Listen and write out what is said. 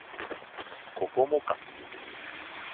ここもか